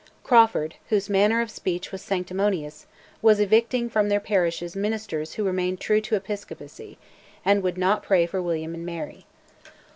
Crawford, whose manner of speech was sanctimonious, was evicting from their parishes ministers who remained true to Episcopacy, and would not pray for William and Mary.